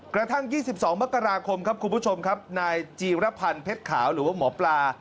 กระทั่ง๒๒มกราคมครับคุณผู้ชมครับนายจีรพันธ์เพชรขาวหรือว่าหมอปลา